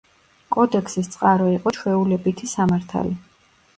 კოდექსის წყარო იყო ჩვეულებითი სამართალი.